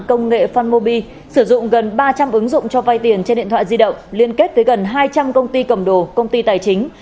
công nghệ fanmobi sử dụng gần ba trăm linh ứng dụng cho vay tiền trên điện thoại di động liên kết với gần hai trăm linh công ty cầm đồ công ty tài chính